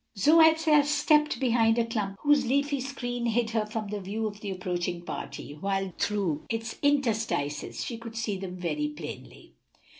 Zoe had stepped behind a clump of bushes, whose leafy screen hid her from the view of the approaching party, while through its interstices she could see them very plainly.